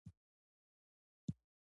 د افغانستان د اسلامي جمهوریت